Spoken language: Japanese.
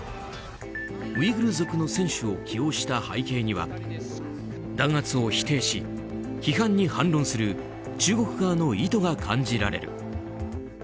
ウイグル族の選手を起用した背景には弾圧を否定し、批判に反論する中国側の意図が感じられる。